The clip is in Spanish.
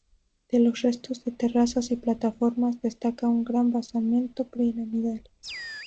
De los restos de terrazas y plataformas, destaca un gran basamento piramidal.